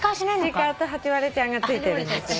ちいかわとハチワレちゃんが着いてるんですよね。